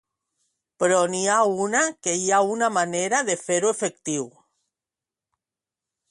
Però n'hi ha una que hi ha manera de fer-ho efectiu.